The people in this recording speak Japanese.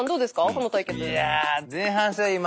この対決。